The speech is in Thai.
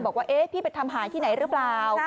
บอกว่าพี่ไปทำหายที่ไหนหรือเปล่า